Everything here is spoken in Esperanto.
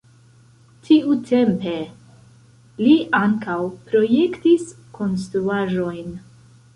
Tiutempe li ankaŭ projektis konstruaĵojn.